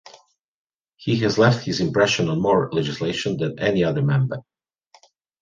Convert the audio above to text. He has left his impression on more legislation than any other member.